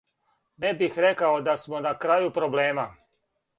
Не бих рекао да смо на крају проблема.